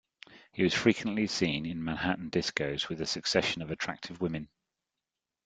He was frequently seen in Manhattan discos with a succession of attractive women.